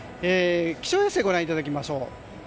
気象衛星をご覧いただきましょう。